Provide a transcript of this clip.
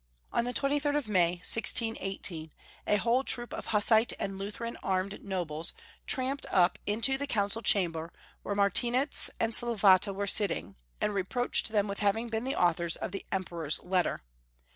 On the 23rd of May, 1618, a whole troop of Hussite and Lutheran armed nobles tramped up into the Council Chamber where Martinitz and Slavata were sitting, and reproached them with having been the authors of the Emperor's letter.